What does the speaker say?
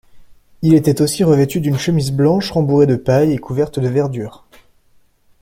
Il était aussi revêtu d'une chemise blanche rembourrée de paille et couverte de verdure.